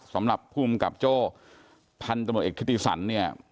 สำหรับผู้กำกับโจ้พันธุ์ตระหนดเอกที่ตีสันเนี่ย